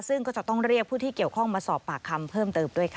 ซึ่งก็จะต้องเรียกผู้ที่เกี่ยวข้องมาสอบปากคำเพิ่มเติมด้วยค่ะ